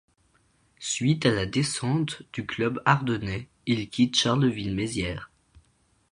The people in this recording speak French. Suite à la descente du club ardennais, il quitte Charleville-Mézières.